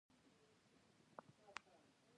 د کورنۍ جګړې وروسته چین کمونیستي نظام غوره کړ.